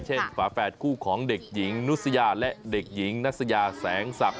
ฝาแฝดคู่ของเด็กหญิงนุษยาและเด็กหญิงนัสยาแสงศักดิ